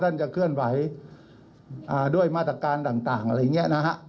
จะเคลื่อนไหวด้วยมาตรการต่างอะไรอย่างนี้นะฮะ